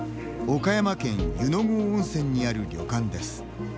岡山県湯郷温泉にある旅館です。